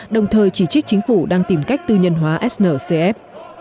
đồng thời chỉ trích chính phủ đang tìm cách tư nhân hóa sncf